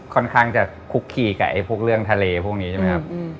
ค่อนข้างจะคุกคีกับพวกเรื่องทะเลพวกนี้ใช่ไหมครับ